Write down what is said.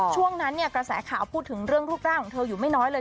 ช่วงนั้นเนี่ยกระแสข่าวพูดถึงเรื่องรูปร่างของเธออยู่ไม่น้อยเลย